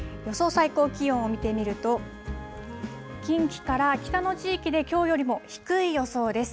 最高気温を見てみると、近畿から北の地域できょうよりも低い予想です。